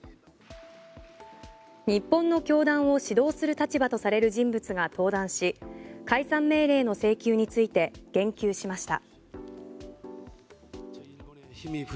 日本の教団を指導する立場とされる人物が登壇し解散命令の請求について言及しました。